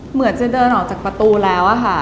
เหมือนจะเดินออกจากประตูแล้วค่ะ